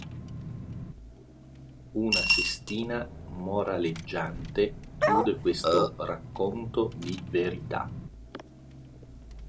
Una sestina moraleggiante chiude questo "racconto di verità".